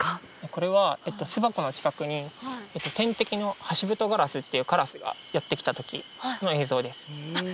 これは巣箱の近くに天敵のハシブトガラスっていうカラスがやって来た時の映像ですあっ